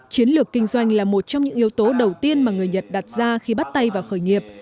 chiến lược kinh doanh là một trong những yếu tố đầu tiên mà người nhật đặt ra khi bắt tay vào khởi nghiệp